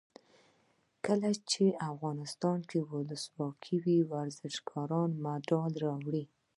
کله چې افغانستان کې ولسواکي وي ورزشکاران مډال راوړي.